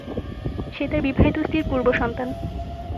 সে তার বিবাহিত স্ত্রীর পূর্ব সন্তান।